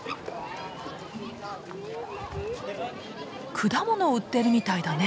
果物を売ってるみたいだね。